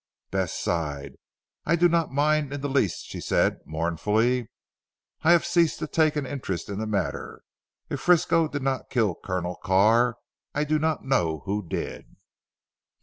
Bess sighed. "I do not mind in the least," she said mournfully. "I have ceased to take an interest in the matter. If Frisco did not kill Colonel Carr I do not know who did."